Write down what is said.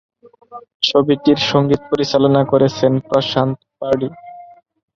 ছবিটির সঙ্গীত পরিচালনা করেছেন প্রশান্ত পাঢি।